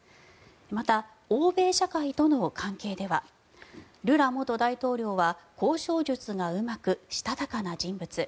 また、欧米社会との関係ではルラ元大統領は交渉術がうまくしたたかな人物。